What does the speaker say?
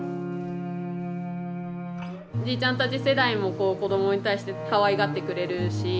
じいちゃんたち世代もこう子どもに対してかわいがってくれるし。